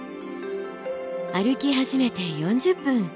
歩き始めて４０分。